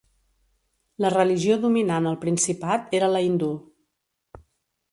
La religió dominant al principat era la hindú.